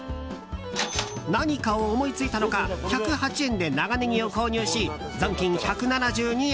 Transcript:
何かを思いついたのか１０８円で長ネギを購入し残金１７２円。